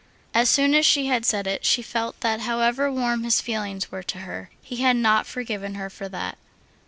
As soon as she had said it, she felt that however warm his feelings were to her, he had not forgiven her for that.